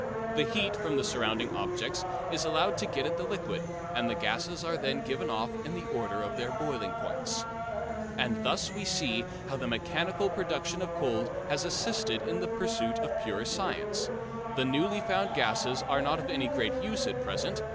The heat from the surrounding objects is allowed to get at the liquid, and the gases are then given off in the order of their boiling points. And thus we see how the mechanical production of cold has assisted in the pursuit of pure science. The newly found gases are not of any great use at present.